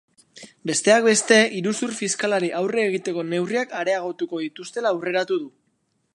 Besteak beste, iruzur fiskalari aurre egiteko neurriak areagotuko dituztela aurreratu du.